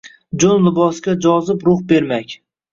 Joʼn libosga jozib ruh bermak.